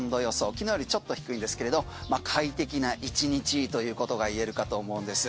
昨日よりちょっと低いんですけれど快適な１日ということが言えるかと思うんです。